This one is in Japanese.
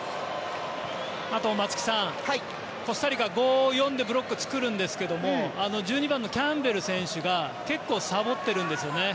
あと松木さんコスタリカは５、４でブロックを作るんですけども１２番のキャンベル選手が結構さぼっているんですね。